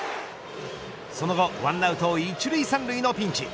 その後１アウト１塁３塁のピンチ。